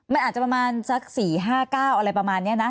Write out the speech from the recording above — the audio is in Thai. มันอาจจะประมาณสัก๔๕๙อะไรประมาณนี้นะ